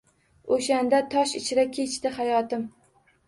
O’shandan tosh ichra kechdi hayotim